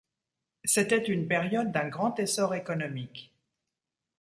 C'était une période d'un grand essor économique.